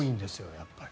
やっぱり。